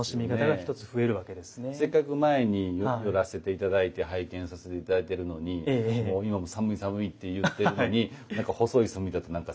せっかく前に寄らせて頂いて拝見させて頂いているのに今も寒い寒いって言っているのに細い炭だと何か寂しいじゃないですか。